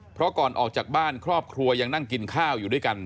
เพราะก่อนออกจากบ้านครอบครัวยังนั่งกินข้าวอยู่ด้วยกัน